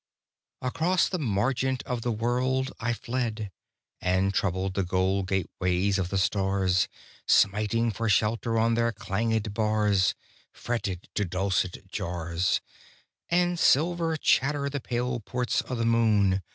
Across the margent of the world I fled, And troubled the gold gateways of the stars, Smiting for shelter on their clangèd bars; Fretted to dulcet jars And silvern chatter the pale ports o' the moon.